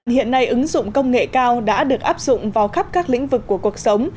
hiện nay ứng dụng công nghệ cao đã được áp dụng vào khắp các lĩnh vực của cuộc sống